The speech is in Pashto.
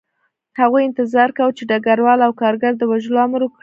هغوی انتظار کاوه چې ډګروال د کارګر د وژلو امر وکړي